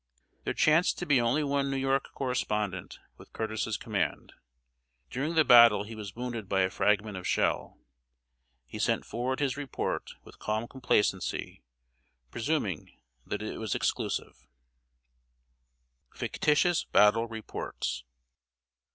There chanced to be only one New York correspondent with Curtis's command. During the battle he was wounded by a fragment of shell. He sent forward his report, with calm complacency, presuming that it was exclusive. [Sidenote: FICTITIOUS BATTLE REPORTS.